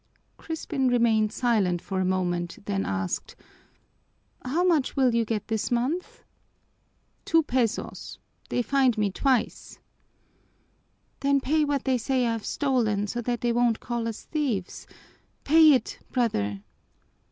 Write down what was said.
Crispin remained silent for a moment, then asked, "How much will you get this month?" "Two pesos. They're fined me twice." "Then pay what they say I've stolen, so that they won't call us thieves. Pay it, brother!"